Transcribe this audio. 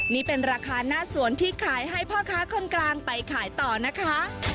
นี่เป็นราคาหน้าสวนที่ขายให้พ่อค้าคนกลางไปขายต่อนะคะ